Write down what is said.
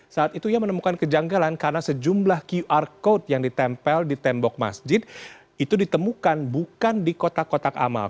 saat itu ia menemukan kejanggalan karena sejumlah qr code yang ditempel di tembok masjid itu ditemukan bukan di kotak kotak amal